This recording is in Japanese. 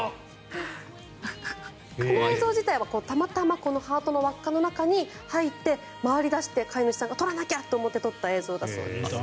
この映像自体はたまたまハート形の輪っかの中に入って回り出して飼い主さんが撮らなきゃと思って撮った映像だそうです。